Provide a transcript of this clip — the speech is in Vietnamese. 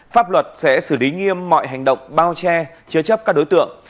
pháp luật sẽ xử lý nghiêm mọi hành động bao che chứa chấp các đối tượng